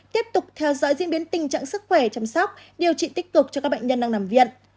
tiếp tục theo dõi diễn biến tình trạng sức khỏe chăm sóc điều trị tích cực cho các bệnh nhân đang nằm viện